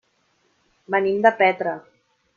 Venim de Petra.